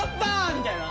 みたいな。